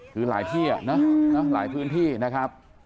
คือหลายที่นะหลายพื้นที่นะครับ